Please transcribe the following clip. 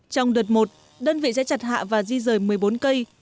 trong đợt một đơn vị sẽ chặt hạ và di rời một mươi bốn cây